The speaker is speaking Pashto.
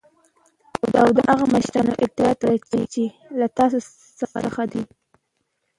او د هغه مشرانو اطاعت وکړی چی له تاسی څخه دی .